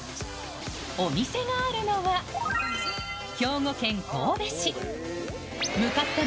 お店があるのは兵庫県神戸市。